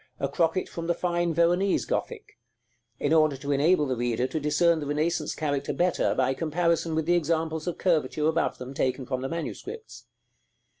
a crocket from the fine Veronese Gothic; in order to enable the reader to discern the Renaissance character better by comparison with the examples of curvature above them, taken from the manuscripts.